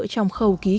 trong khâu ký cây